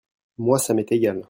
moi ça m'est égal.